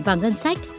và ngân sách